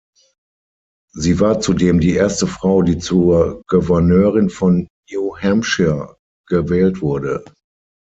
Sie war zudem die erste Frau, die zur Gouverneurin von New Hampshire gewählt wurde.